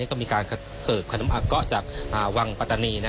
ก็มีการเสิร์ฟขนมผักเกาะจากวังปัตตานี